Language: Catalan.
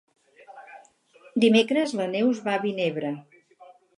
Dimecres na Neus va a Vinebre.